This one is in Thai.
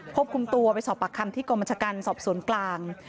ควบคุมตัวไปสอบปากคำที่กรมจักรรมัชกรรมสอบศูนย์กลาง